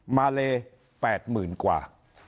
มาเลแปดหมื่นกว่า